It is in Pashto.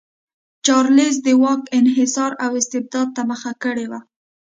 چارلېز د واک انحصار او استبداد ته مخه کړې وه.